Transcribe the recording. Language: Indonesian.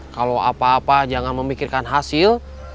kalau apa apa jangan memikirkan hasil